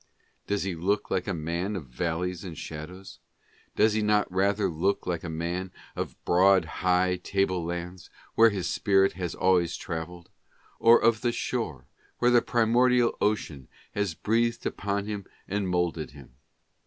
Does he look like a man of valleys and shadows ? Does he not rather look like a man of the broad high table lands, where his spirit has always travelled ; or of the shore, where the primordial ocean has breathed upon him and moulded him